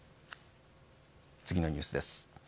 次のニュースです。